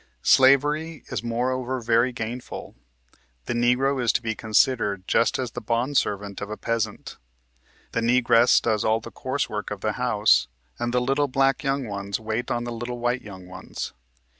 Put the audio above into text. " Slavery is moreover very gainful. The Negro is to be considered just as the bond servant of a peasant, The Negress does all the coarse work of the house, and the little black young ones wait on the little white young ones.